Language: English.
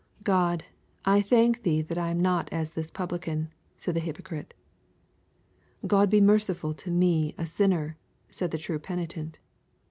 'God, I thank Thee that I am not as this publican,' said the hypocrite. 'God be merciful to me a sinner,' said the true penitent.